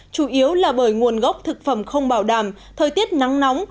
chủ yếu là bởi nguồn gốc thực phẩm không bảo đảm thời tiết nắng nóng